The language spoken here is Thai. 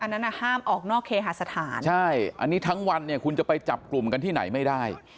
อันนั้นอ่ะห้ามออกนอกเคหาสถานใช่อันนี้ทั้งวันเนี่ยคุณจะไปจับกลุ่มกันที่ไหนไม่ได้